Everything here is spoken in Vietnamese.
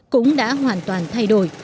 cũng đã hoàn toàn thay đổi